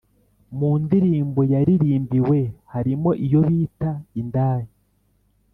mu ndirimbo yaririmbiwe harimo iyobita indaya